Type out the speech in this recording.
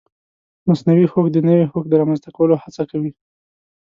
مصنوعي هوښ د نوي هوښ د رامنځته کولو هڅه کوي.